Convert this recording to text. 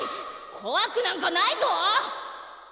こわくなんかないぞ！